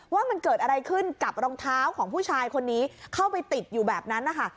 ว่ามันเกิดอะไรขึ้นกับรองเท้าของผู้ชายคนนี้เข้าไปติดอยู่แบบนั้นนะคะ